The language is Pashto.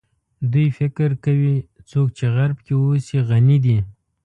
دوی فکر کوي څوک چې غرب کې اوسي غني دي.